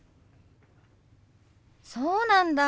そうなんだ。